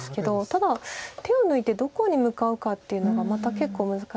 ただ手を抜いてどこに向かうかっていうのがまた結構難しくて。